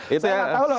saya gak tau loh